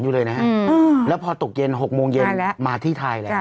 อยู่เลยนะฮะแล้วพอตกเย็น๖โมงเย็นมาที่ไทยแล้ว